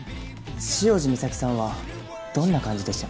潮路岬さんはどんな感じでしたか？